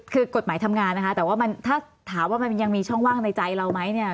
คือกฎหมายทำงานนะคะแต่ว่ามันถ้าถามว่ามันยังมีช่องว่างในใจเราไหมเนี่ย